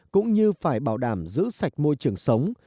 cũng như phải bảo đảm giữ sạch môi trường sống